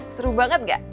seru banget gak